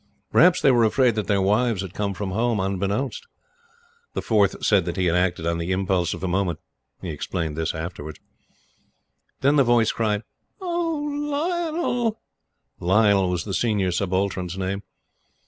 Perhaps they were afraid that their wives had come from Home unbeknownst. The fourth said that he had acted on the impulse of the moment. He explained this afterwards. Then the voice cried: "Oh, Lionel!" Lionel was the Senior Subaltern's name.